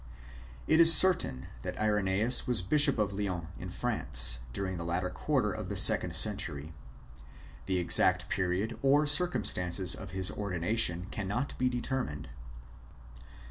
It is certain that Irenseus was bishop of Lyons, in France, during the latter quarter of the second century. The exact period or circumstances of his ordination cannot be deter mined.